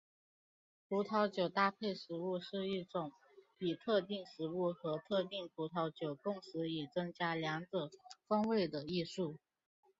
葡萄酒搭配食物是一种以特定食物和特定葡萄酒共食以增加两者风味的艺术。